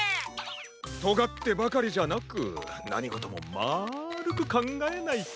とがってばかりじゃなくなにごともまるくかんがえないと。